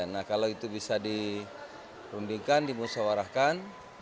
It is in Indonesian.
nah kalau itu bisa diundingkan dimusawarahkan